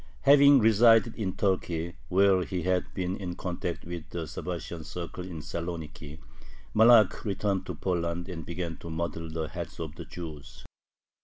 Having resided in Turkey, where he had been in contact with the Sabbatian circle in Saloniki, Malakh returned to Poland and began to muddle the heads of the Jews.